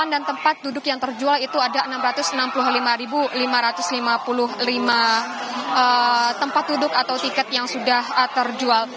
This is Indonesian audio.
dan tempat duduk yang terjual itu ada enam ratus enam puluh lima lima ratus lima puluh lima tempat duduk atau tiket yang sudah terjual